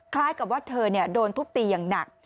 คล้ายกับว่าเธอโดนทุบตีอย่างหนัก